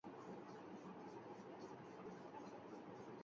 German হাইফায় জন্মগ্রহণ করেন।